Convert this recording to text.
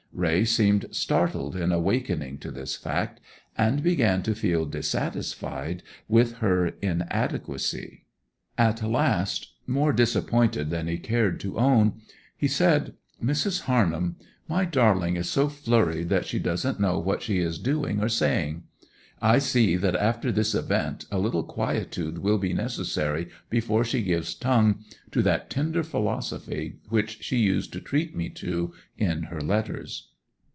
Raye seemed startled in awakening to this fact, and began to feel dissatisfied with her inadequacy. At last, more disappointed than he cared to own, he said, 'Mrs. Harnham, my darling is so flurried that she doesn't know what she is doing or saying. I see that after this event a little quietude will be necessary before she gives tongue to that tender philosophy which she used to treat me to in her letters.